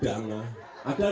ada nggak ikan pedang